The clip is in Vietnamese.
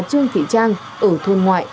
trương thị trang ở thôn ngoại